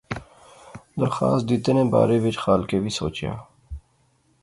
درخواست دتے نے بارے وچ خالقے وی سوچیا